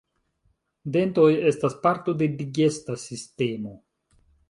Dentoj estas parto de digesta sistemo.